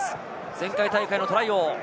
前回大会のトライ王。